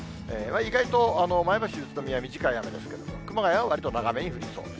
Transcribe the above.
意外と前橋、宇都宮、短い雨ですけれども、熊谷はわりと長めに降りそう。